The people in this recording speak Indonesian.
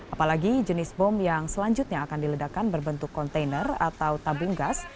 apalagi jenis bom yang selanjutnya akan diledakan berbentuk kontainer atau tabung gas